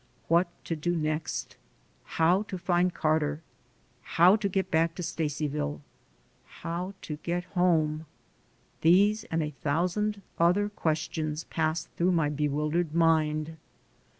What to do next? How to find Carter? How to get back to Stacy ville? How to get home? ... These and a thousand other questions passed through my be wildered mind.